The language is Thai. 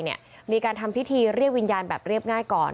มีการทำพิธีเรียกวิญญาณแบบเรียบง่ายก่อน